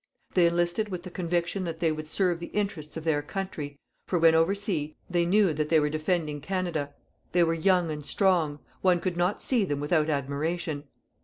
They enlisted with the conviction that they would serve the interests of their country, for, when oversea, they knew that they were defending Canada. They were young and strong; one could not see them without admiration.